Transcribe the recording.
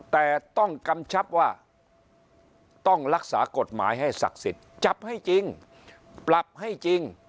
แต่ต้องกำชับว่าต้องรักษากฎหมายให้ศักดิ์สิทธิ์จับให้จริงปรับให้จริง